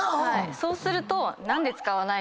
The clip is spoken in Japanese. そうすると。